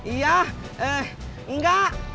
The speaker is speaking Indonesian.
iya eh enggak